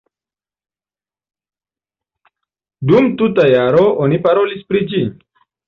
Dum tuta jaro oni parolis pri ĝi.